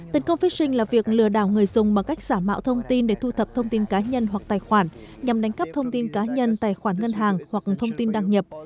tấn công phishing là việc lừa đảo người dùng bằng cách giả mạo thông tin để thu thập thông tin cá nhân hoặc tài khoản nhằm đánh cắp thông tin cá nhân tài khoản ngân hàng hoặc thông tin đăng nhập